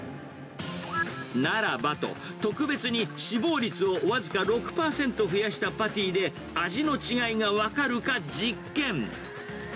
ならばと、特別に脂肪率を僅か６％増やしたパティで、味の違いが分かるか実験。